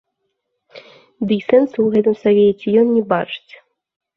Ды й сэнсу ў гэтым савеце ён не бачыць.